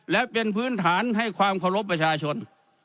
และเป็นพื้นฐานให้ความเคารพประชาชน